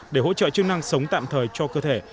để hỗ trợ chức năng sống tạm thời cho cơ thể